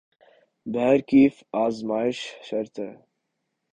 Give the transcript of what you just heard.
بہرکیف آزمائش شرط ہے ۔